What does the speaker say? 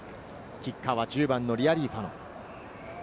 キッカーは１０番のリアリーファノ。